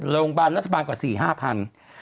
โรงพยาบาลรัฐบาลกว่า๔๕๐๐๐บาท